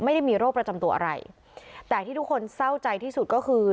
ไม่ได้มีโรคประจำตัวอะไรแต่ที่ทุกคนเศร้าใจที่สุดก็คือ